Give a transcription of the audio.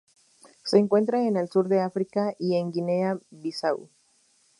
Se encuentra en el sur de África y en Guinea-Bissau.